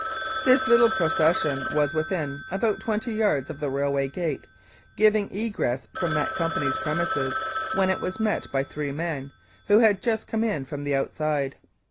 This little procession was within about twenty yards of the railway gate giving egress from that Company's premises when it was met by three men, who had just come in from the outside.